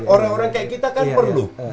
orang orang kayak kita kan perlu